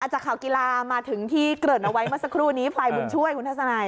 จากข่าวกีฬามาถึงที่เกริ่นเอาไว้เมื่อสักครู่นี้ไฟบุญช่วยคุณทัศนัย